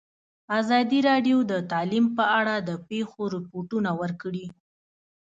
ازادي راډیو د تعلیم په اړه د پېښو رپوټونه ورکړي.